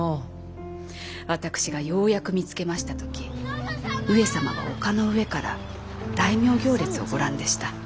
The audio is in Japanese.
私がようやく見つけました時上様は丘の上から大名行列をご覧でした。